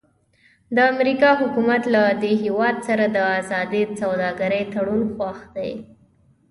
د امریکا حکومت له دې هېواد سره د ازادې سوداګرۍ تړون خوښ دی.